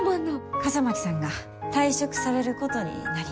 笠巻さんが退職されることになりました。